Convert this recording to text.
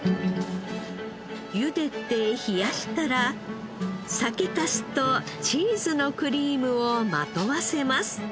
ゆでて冷やしたら酒粕とチーズのクリームをまとわせます。